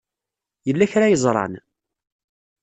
Yella kra ay ẓran?